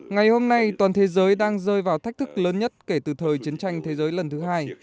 ngày hôm nay toàn thế giới đang rơi vào thách thức lớn nhất kể từ thời chiến tranh thế giới lần thứ hai